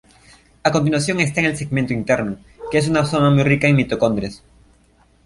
A continuación está el segmento interno, que es una zona muy rica en mitocondrias.